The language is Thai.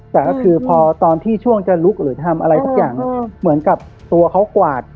แต่ก็คือพอตอนที่ช่วงจะลุกหรือทำอะไรสักอย่างเหมือนกับตัวเขากวาด